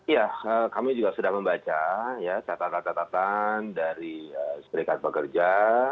ya kami juga sudah membaca catatan catatan dari serikat pekerja